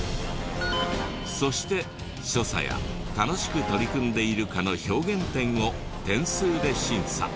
そして所作や楽しく取り組んでいるかの表現点を点数で審査。